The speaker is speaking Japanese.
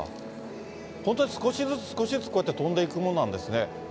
本当に少しずつ、少しずつ、こうやって跳んでいくもんなんですね。